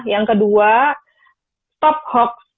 yang kedua stop hoax